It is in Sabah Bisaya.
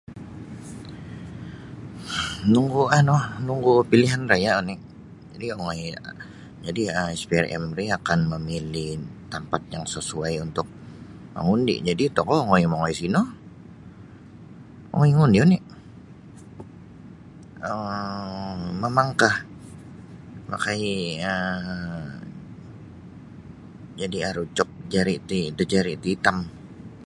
um Nunggu anu nunggu pilihanraya oni ri ongoi jadi um SPRM ri akan memili tampat yang sasuai untuk mangundi jadi tokou ongoi mongoi sino ongoi ni oni um mamangkah pakai um jadi aru cop jari ti da jari ti itam